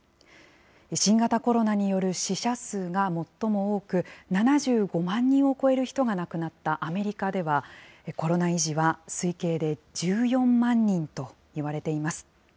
新型コロナによる死者数が最も多く、７５万人を超える人が亡くなったアメリカでは、コロナ遺児は推計で１４万人といわれています。